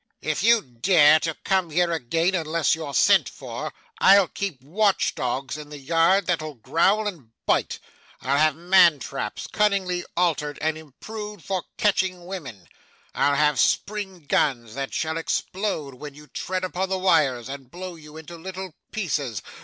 If you dare to come here again unless you're sent for, I'll keep watch dogs in the yard that'll growl and bite I'll have man traps, cunningly altered and improved for catching women I'll have spring guns, that shall explode when you tread upon the wires, and blow you into little pieces.